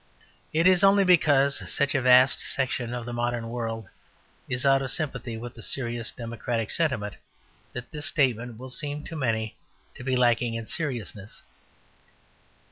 It is only because such a vast section of the modern world is out of sympathy with the serious democratic sentiment that this statement will seem to many to be lacking in seriousness.